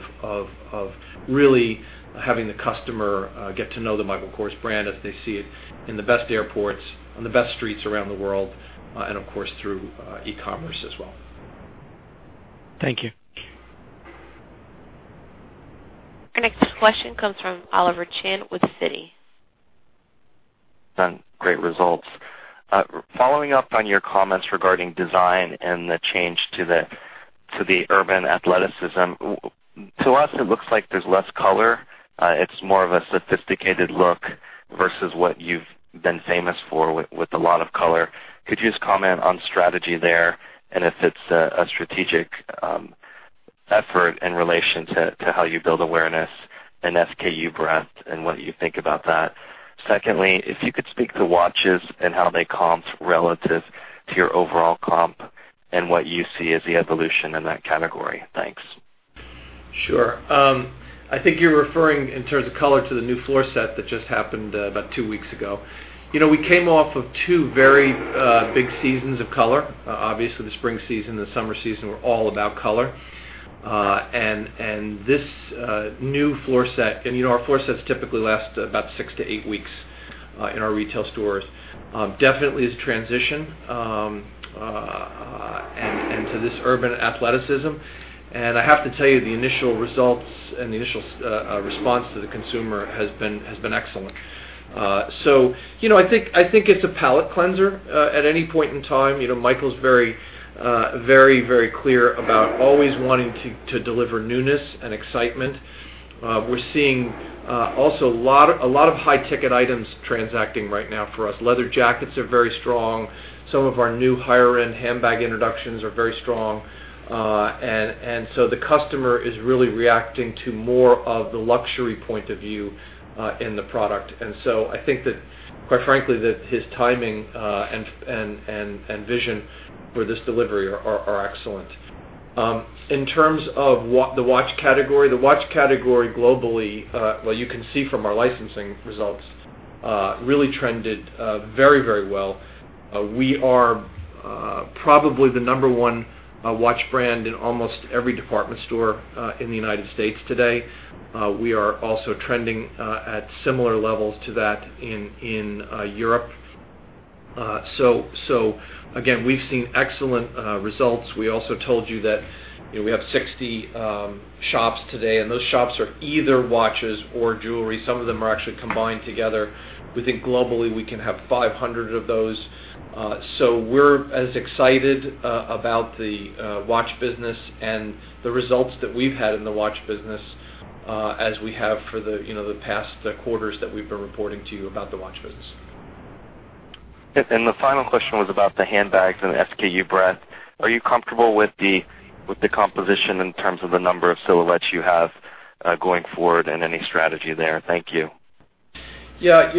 really having the customer get to know the Michael Kors brand as they see it in the best airports, on the best streets around the world, and of course, through e-commerce as well. Thank you. Our next question comes from Oliver Chen with Citi. Some great results. Following up on your comments regarding design and the change to the urban athleticism. To us, it looks like there's less color. It's more of a sophisticated look versus what you've been famous for with a lot of color. Could you just comment on strategy there and if it's a strategic effort in relation to how you build awareness and SKU breadth and what you think about that? Secondly, if you could speak to watches and how they comp relative to your overall comp and what you see as the evolution in that category. Thanks. Sure. I think you're referring in terms of color to the new floor set that just happened about two weeks ago. We came off of two very big seasons of color. Obviously, the spring season and the summer season were all about color. This new floor set, and our floor sets typically last about six to eight weeks in our retail stores, definitely is a transition and to this urban athleticism. I have to tell you, the initial results and the initial response to the consumer has been excellent. I think it's a palate cleanser at any point in time. Michael's very clear about always wanting to deliver newness and excitement. We're seeing also a lot of high-ticket items transacting right now for us. Leather jackets are very strong. Some of our new higher-end handbag introductions are very strong. The customer is really reacting to more of the luxury point of view in the product. I think that, quite frankly, his timing and vision for this delivery are excellent. In terms of the watch category, the watch category globally, well, you can see from our licensing results really trended very well. Probably the number one watch brand in almost every department store in the United States today. We are also trending at similar levels to that in Europe. Again, we've seen excellent results. We also told you that we have 60 shops today, and those shops are either watches or jewelry. Some of them are actually combined together. We think globally, we can have 500 of those. We're as excited about the watch business and the results that we've had in the watch business as we have for the past quarters that we've been reporting to you about the watch business. The final question was about the handbags and SKU breadth. Are you comfortable with the composition in terms of the number of silhouettes you have going forward and any strategy there? Thank you. Yeah.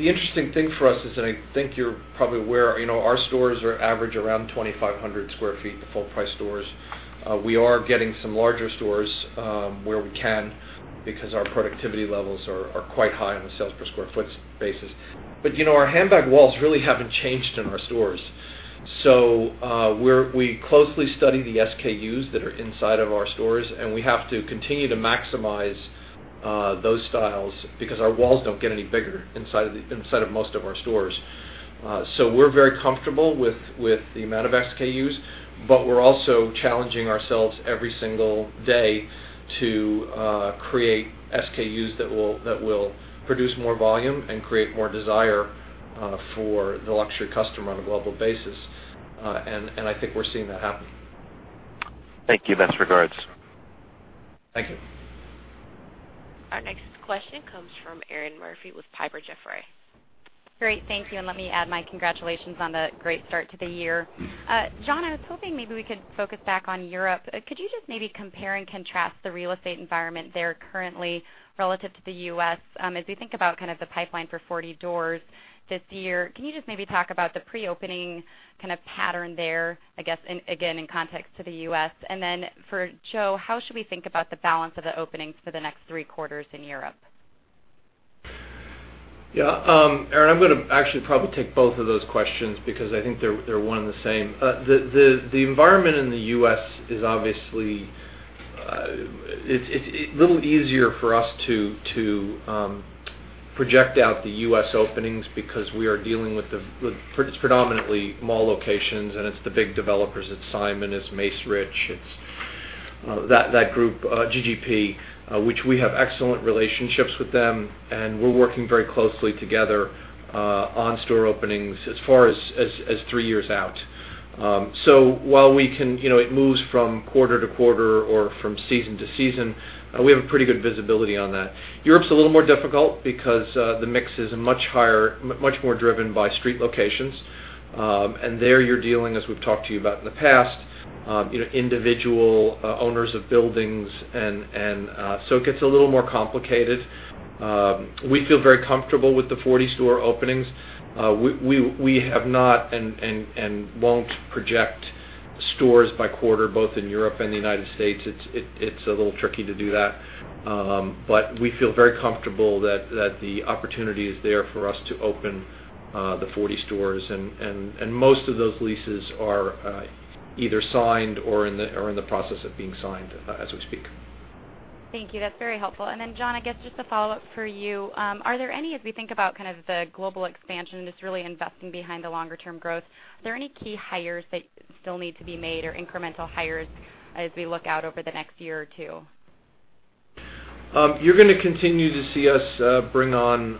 The interesting thing for us is that I think you're probably aware, our stores are average around 2,500 sq ft, the full-price stores. We are getting some larger stores where we can because our productivity levels are quite high on a sales per sq ft basis. Our handbag walls really haven't changed in our stores. We closely study the SKUs that are inside of our stores, and we have to continue to maximize those styles because our walls don't get any bigger inside of most of our stores. We're very comfortable with the amount of SKUs, but we're also challenging ourselves every single day to create SKUs that will produce more volume and create more desire for the luxury customer on a global basis. I think we're seeing that happen. Thank you. Best regards. Thank you. Our next question comes from Erinn Murphy with Piper Sandler. Great. Thank you, and let me add my congratulations on the great start to the year. John, I was hoping maybe we could focus back on Europe. Could you just maybe compare and contrast the real estate environment there currently relative to the U.S. as we think about kind of the pipeline for 40 doors this year? Can you just maybe talk about the pre-opening kind of pattern there, I guess, again, in context to the U.S.? For Joe, how should we think about the balance of the openings for the next three quarters in Europe? Yeah. Erinn, I'm going to actually probably take both of those questions because I think they're one and the same. The environment in the U.S. is obviously a little easier for us to project out the U.S. openings because we are dealing with predominantly mall locations, and it's the big developers. It's Simon, it's Macerich, it's that group, GGP, which we have excellent relationships with them, and we're working very closely together on store openings as far as three years out. While it moves from quarter to quarter or from season to season, we have a pretty good visibility on that. Europe's a little more difficult because the mix is much more driven by street locations. There you're dealing, as we've talked to you about in the past, individual owners of buildings, it gets a little more complicated. We feel very comfortable with the 40 store openings. We have not and won't project stores by quarter, both in Europe and the U.S. It's a little tricky to do that. We feel very comfortable that the opportunity is there for us to open the 40 stores, and most of those leases are either signed or in the process of being signed as we speak. Thank you. That's very helpful. John, I guess just a follow-up for you. As we think about kind of the global expansion and just really investing behind the longer term growth, are there any key hires that still need to be made or incremental hires as we look out over the next year or two? You're going to continue to see us bring on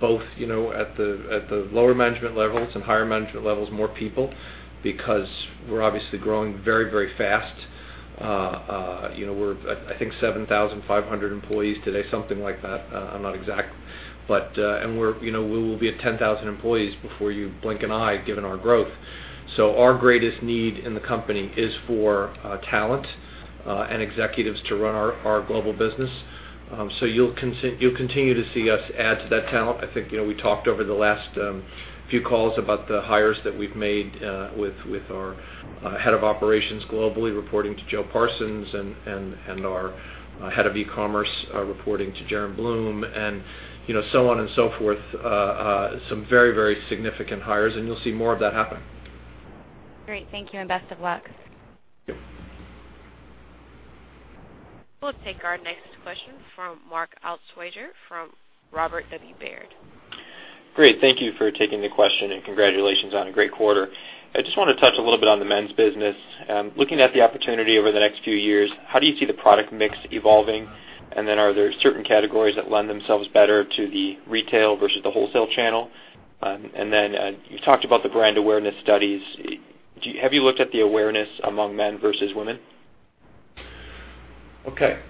both at the lower management levels and higher management levels, more people, because we're obviously growing very fast. We're I think 7,500 employees today, something like that. I'm not exact. We will be at 10,000 employees before you blink an eye, given our growth. Our greatest need in the company is for talent and executives to run our global business. You'll continue to see us add to that talent. I think we talked over the last few calls about the hires that we've made with our head of operations globally, reporting to Joe Parsons and our head of e-commerce, reporting to Jaryn Bloom and so on and so forth, some very significant hires, and you'll see more of that happen. Great. Thank you, and best of luck. Thank you. We'll take our next question from Mark Altschwager from Robert W. Baird. Great. Thank you for taking the question and congratulations on a great quarter. I just want to touch a little bit on the men's business. Looking at the opportunity over the next few years, how do you see the product mix evolving? Are there certain categories that lend themselves better to the retail versus the wholesale channel? You talked about the brand awareness studies. Have you looked at the awareness among men versus women? Okay.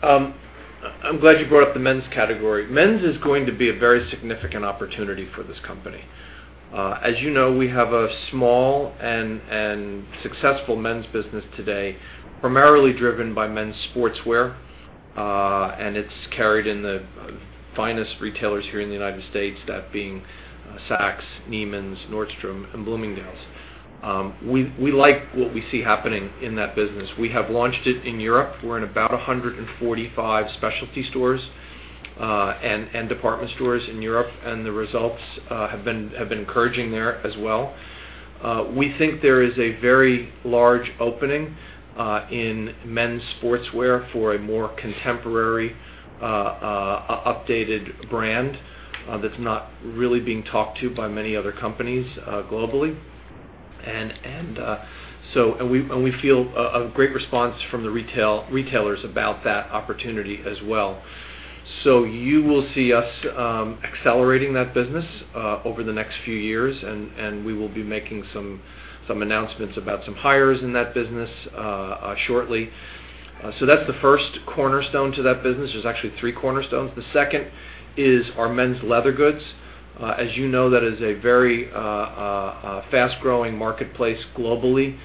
I'm glad you brought up the men's category. Men's is going to be a very significant opportunity for this company. As you know, we have a small and successful men's business today, primarily driven by men's sportswear, and it's carried in the finest retailers here in the U.S., that being Saks, Neiman's, Nordstrom, and Bloomingdale's. We like what we see happening in that business. We have launched it in Europe. We're in about 145 specialty stores and department stores in Europe, and the results have been encouraging there as well. We think there is a very large opening in men's sportswear for a more contemporary, updated brand that's not really being talked to by many other companies globally. We feel a great response from the retailers about that opportunity as well. You will see us accelerating that business over the next few years, and we will be making some announcements about some hires in that business shortly. That's the first cornerstone to that business. There's actually three cornerstones. The second is our men's leather goods. As you know, that is a very fast-growing marketplace globally.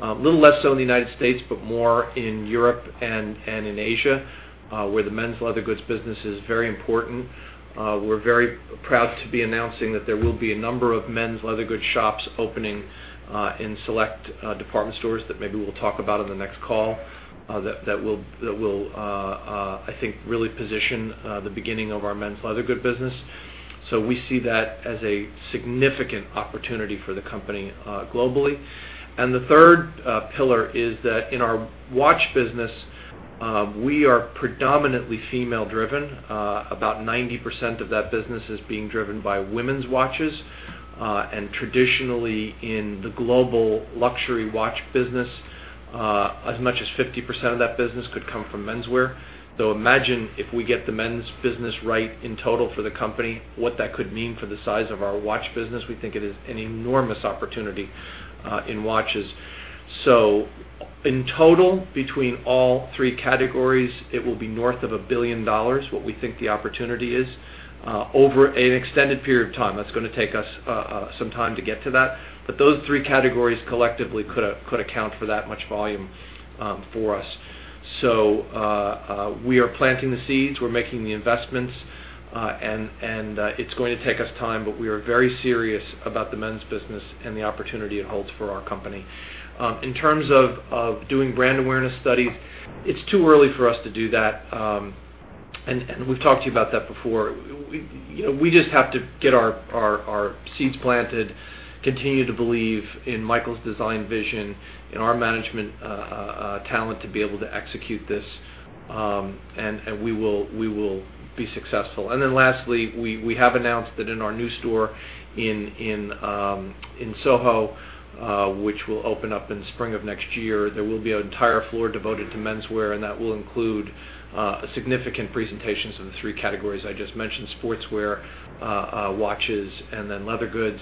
A little less so in the U.S., but more in Europe and in Asia, where the men's leather goods business is very important. We're very proud to be announcing that there will be a number of men's leather goods shops opening in select department stores, that maybe we'll talk about in the next call, that will, I think, really position the beginning of our men's leather goods business. We see that as a significant opportunity for the company globally. The third pillar is that in our watch business, we are predominantly female driven. About 90% of that business is being driven by women's watches. Traditionally, in the global luxury watch business, as much as 50% of that business could come from menswear. Imagine if we get the men's business right in total for the company, what that could mean for the size of our watch business. We think it is an enormous opportunity in watches. In total, between all three categories, it will be north of $1 billion, what we think the opportunity is over an extended period of time. That's going to take us some time to get to that. Those three categories collectively could account for that much volume for us. We are planting the seeds, we're making the investments, it's going to take us time, we are very serious about the men's business and the opportunity it holds for our company. In terms of doing brand awareness studies, it's too early for us to do that, we've talked to you about that before. We just have to get our seeds planted, continue to believe in Michael's design vision and our management talent to be able to execute this. We will be successful. Lastly, we have announced that in our new store in Soho, which will open up in spring of next year, there will be an entire floor devoted to menswear, that will include significant presentations in the three categories I just mentioned, sportswear, watches, leather goods.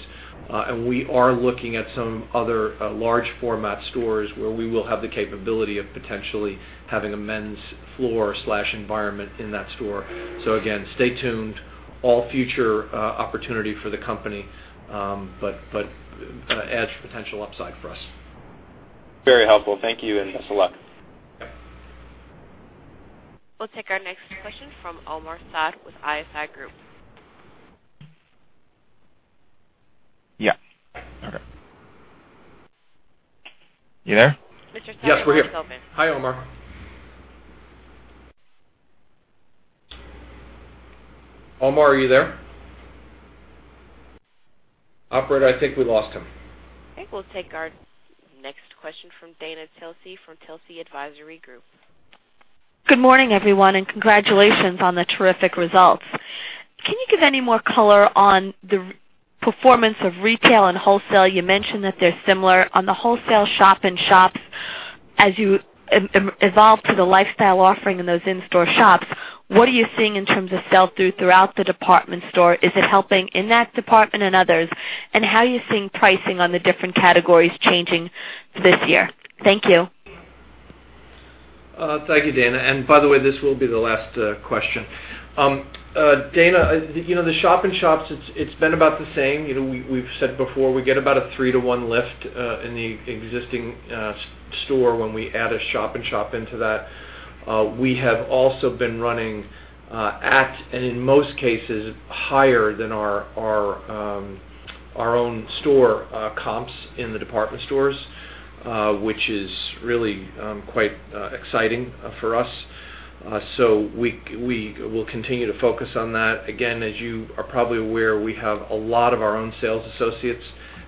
We are looking at some other large format stores where we will have the capability of potentially having a men's floor/environment in that store. Again, stay tuned. All future opportunity for the company, adds potential upside for us. Very helpful. Thank you, best of luck. We'll take our next question from Omar Saad with ISI Group. Yeah. Okay. You there? Yes, we're here. Hi, Omar. Omar, are you there? Operator, I think we lost him. Okay. We'll take our next question from Dana Telsey from Telsey Advisory Group. Good morning, everyone. Congratulations on the terrific results. Can you give any more color on the performance of retail and wholesale? You mentioned that they're similar. On the wholesale shop-in-shops, as you evolve to the lifestyle offering in those in-store shops, what are you seeing in terms of sell-through throughout the department store? Is it helping in that department and others? How are you seeing pricing on the different categories changing this year? Thank you. Thank you, Dana. By the way, this will be the last question. Dana, the shop-in-shops, it's been about the same. We've said before, we get about a 3 to 1 lift in the existing store when we add a shop-in-shop into that. We have also been running at, and in most cases, higher than our own store comps in the department stores, which is really quite exciting for us. We will continue to focus on that. Again, as you are probably aware, we have a lot of our own sales associates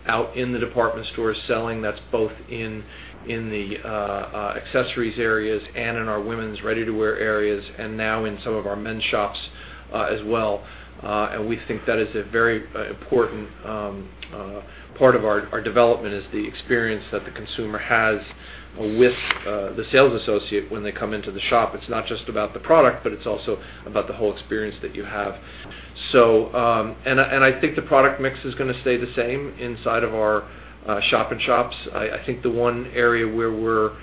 out in the department stores selling. That's both in the accessories areas and in our women's ready-to-wear areas and now in some of our men's shops as well. We think that is a very important part of our development is the experience that the consumer has with the sales associate when they come into the shop. It's not just about the product, but it's also about the whole experience that you have. I think the product mix is going to stay the same inside of our shop-in-shops. I think the one area where we're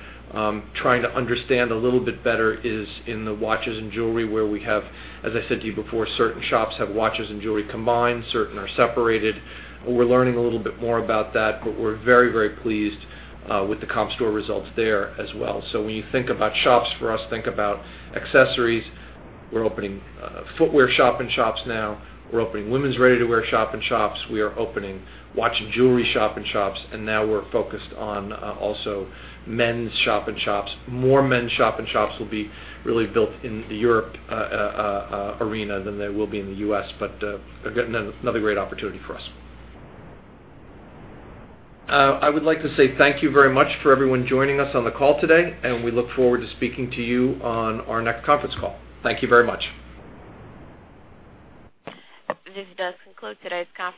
trying to understand a little bit better is in the watches and jewelry where we have, as I said to you before, certain shops have watches and jewelry combined, certain are separated. We're learning a little bit more about that, but we're very pleased with the comp store results there as well. When you think about shops for us, think about accessories. We're opening footwear shop-in-shops now. We're opening women's ready-to-wear shop-in-shops. We are opening watch and jewelry shop-in-shops. Now we're focused on also men's shop-in-shops. More men's shop-in-shops will be really built in the Europe arena than they will be in the U.S., another great opportunity for us. I would like to say thank you very much for everyone joining us on the call today, and we look forward to speaking to you on our next conference call. Thank you very much. This does conclude today's conference call.